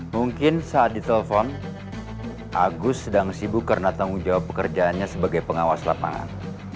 mungkin saat ditelepon agus sedang sibuk karena tanggung jawab pekerjaannya sebagai pengawas lapangan